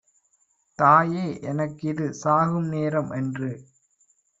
"தாயே எனக்கிது சாகும் நேரம்"என்று